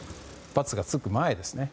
バツがつく前ですね。